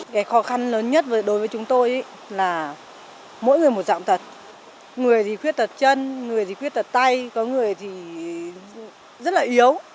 cái khó khăn lớn nhất đối với chúng tôi là mỗi người một dạng tật người thì khuyết tật chân người gì khuyết tật tay có người thì rất là yếu